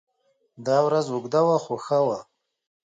دا ورځ اوږده وه خو ښه وه.